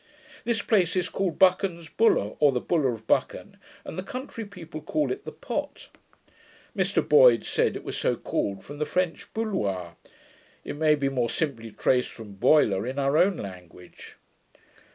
This place is called Buchan's Buller, or the Buller of Buchan, and the country people call it the Pot. Mr Boyd said it was so called from the French Bouloir. It may be more simply traced from Boiler in our own language.